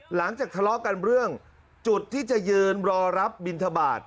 หลังจากทะเลาะกันเรื่องจุดที่จะยืนรอรับบินทบาท